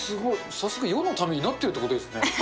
早速世のためになっているということですね。